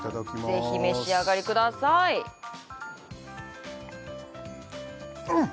ぜひ召し上がりくださいうん！